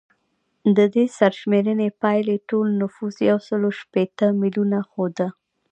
د دې سرشمېرنې پایلې ټول نفوس یو سل اووه شپیته میلیونه ښوده